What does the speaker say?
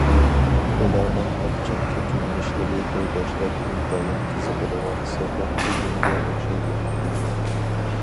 ئۇلارنىڭ ئاچچىق كەچۈرمىشلىرى تورداشلار ئىنتايىن قىزىقىدىغان سىرلىق تۈگۈنگە ئوخشايدۇ.